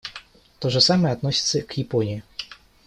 То же самое относится к Японии.